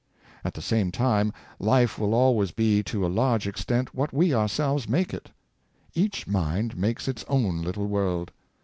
At the same time, life will always be to a large ex tent what we ourselves make it. Each mind makes its own little world.